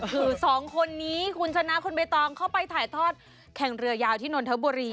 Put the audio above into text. คือสองคนนี้คุณชนะคุณใบตองเข้าไปถ่ายทอดแข่งเรือยาวที่นนทบุรี